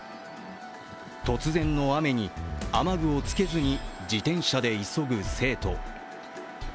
突然の雨に雨具をつけずに自転車で急ぐ生徒。